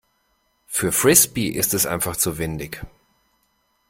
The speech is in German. Für Frisbee ist es einfach zu windig.